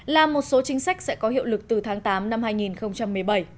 là một số chính sách sẽ có hiệu lực từ tháng tám năm hai nghìn một mươi bảy